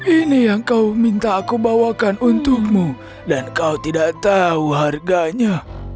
ini yang kau minta aku bawakan untukmu dan kau tidak tahu harganya